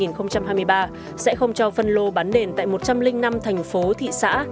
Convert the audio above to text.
sẽ không cho phân lô bán nền tại một trăm linh năm thành phố thị xã